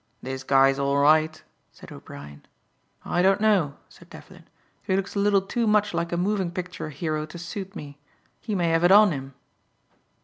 "This guy is all right," said O'Brien. "I don't know," said Devlin. "He looks a little too much like a moving picture hero to suit me. He may have it on him."